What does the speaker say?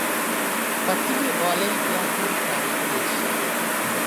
پتېلي غالۍ بیا هم کارېدلی شي.